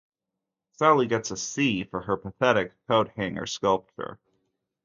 Sally gets a C for her pathetic coat-hanger sculpture.